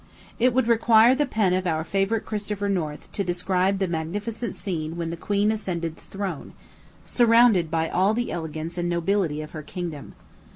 It would require the pen of our favorite Christopher North to describe the magnificent scene when the queen ascended the throne, surrounded by all the elegance and nobility of her kingdom.